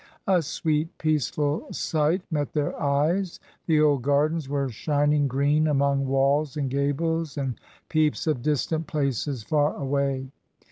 A sweet, peaceful sight met their eyes; the old gardens were shining green among walls and gables and peeps of distant places far away.